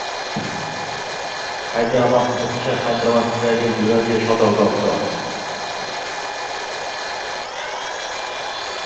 হায়দ্রাবাদ হচ্ছে হায়দ্রাবাদ বিভাগের বিভাগীয় সদর দপ্তর।